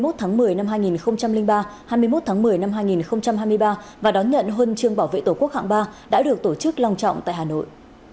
hai nghìn ba hai mươi một tháng một mươi năm hai nghìn hai mươi ba và đón nhận huân chương bảo vệ tổ quốc hạng ba đã được tổ chức long trọng tại hà nội